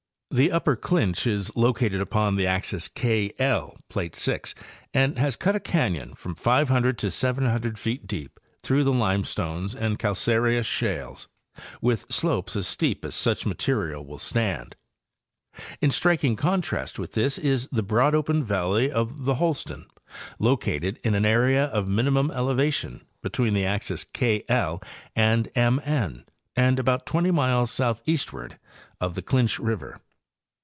The upper Clinch is located upon the axis K JL, plate 6,and has cut a canyon from 500 to 700 feet deep through the limestones and calcareous shales, with slopes as steep as such material will stand. In striking contrast with this is the broad open valley of the Holston, located in an area of minimum elevation between the axes K Land M N and about twenty miles southeastward of the Clinch river.